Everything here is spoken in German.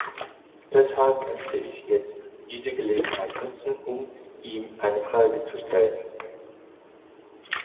Deshalb möchte ich jetzt diese Gelegenheit nutzen, um ihm eine Frage zu stellen.